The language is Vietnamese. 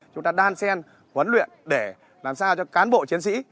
chúng ta đan sen huấn luyện để làm sao cho cán bộ chiến sĩ